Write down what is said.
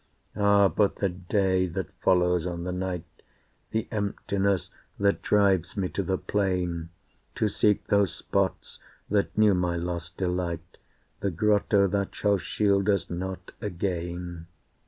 Ah! but the day that follows on the night, The emptiness that drives me to the plain To seek those spots that knew my lost delight, The grotto that shall shield us not again.